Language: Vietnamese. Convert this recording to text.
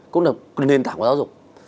cũng là nền tảng của giáo dục